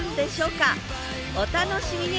お楽しみに！